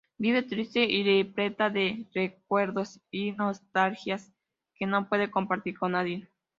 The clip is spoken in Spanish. Vive triste y repleta de recuerdos y nostalgias que no puede compartir con nadie.